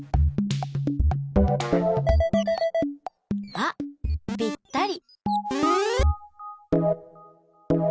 あっぴったり！